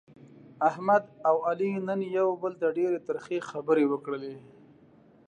احمد او علي نن یو بل ته ډېرې ترخې خبرې وکړلې.